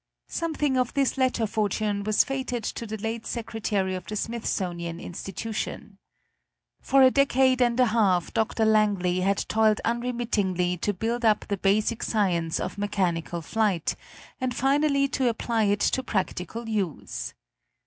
Something of this latter fortune was fated to the late Secretary of the Smithsonian Institution. For a decade and a half Dr. Langley had toiled unremittingly to build up the basic science of mechanical flight, and finally to apply it to practical use.